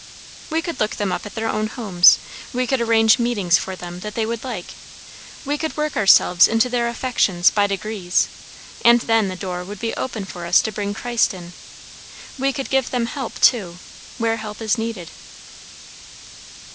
"We could look them up at their own homes; we could arrange meetings for them that they would like; we could work ourselves into their affections, by degrees, and then the door would be open for us to bring Christ in. We could give them help too, where help is needed."